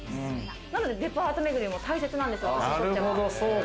なのでデパートめぐりも大切なんですよ。